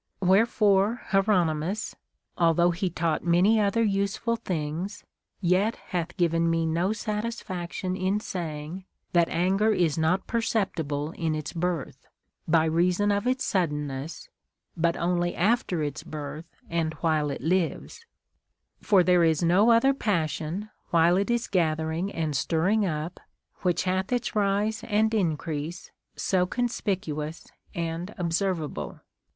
Wherefore Hieronymus, although he taught many other useful things, yet hath given me no satisfaction in saying that anger is not perceptible in its birth, by reason of its suddenness, but only after its birth and Avhile it lives ; for there is no other passion, while it is gathering and stirring up, which hath its rise and increase so conspicuous and observable.